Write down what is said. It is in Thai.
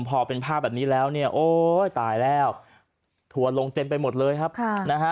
พอเป็นภาพแบบนี้แล้วเนี่ยโอ๊ยตายแล้วทัวร์ลงเต็มไปหมดเลยครับค่ะนะฮะ